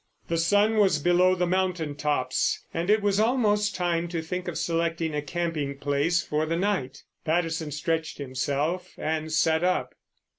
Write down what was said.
The sun was below the mountain tops, and it was almost time to think of selecting a camping place for the night. Patterson stretched himself and sat up.